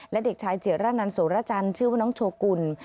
และเด็กชายเจียระนันโสรจันทร์ชื่อว่าน้องโชกุล